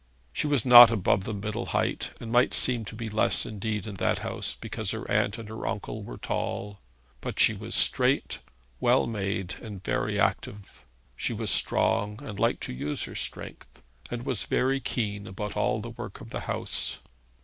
She was not above the middle height, and might seem to be less indeed in that house, because her aunt and her uncle were tall; but she was straight, well made, and very active. She was strong and liked to use her strength, and was very keen about all the work of the house.